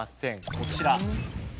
こちら。